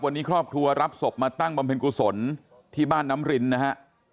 วันนี้ครอบครัวรับศพมาตั้งบำเพ็ญกุศลที่บ้านน้ำรินนะฮะ